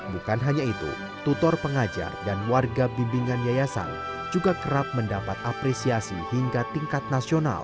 bukan hanya itu tutor pengajar dan warga bimbingan yayasan juga kerap mendapat apresiasi hingga tingkat nasional